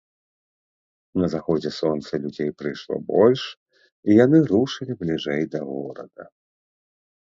На заходзе сонца людзей прыйшло больш, і яны рушылі бліжэй да горада.